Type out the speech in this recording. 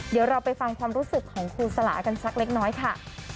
เดี๋ยวเราไปฟังความรู้สึกของครูสลากันสักเล็กน้อยค่ะ